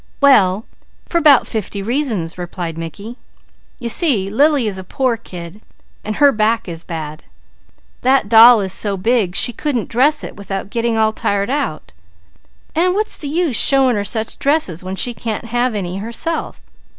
"Well for 'bout fifty reasons," replied Mickey. "You see Lily is a poor kid, and her back is bad. That doll is so big she couldn't dress it without getting all tired out; and what's the use showing her such dresses, when she can't have any herself.